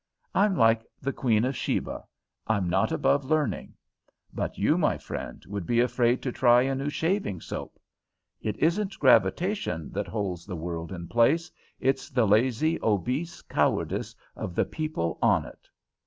I'm like the Queen of Sheba I'm not above learning. But you, my friend, would be afraid to try a new shaving soap. It isn't gravitation that holds the world in place; it's the lazy, obese cowardice of the people on it.